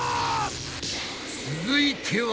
続いては。